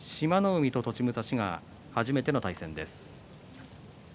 海と栃武蔵が初めての対戦です。